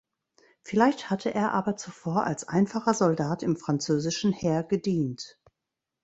Vielleicht hatte er aber zuvor als einfacher Soldat im französischen Heer gedient.